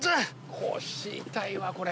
痛いわこれ。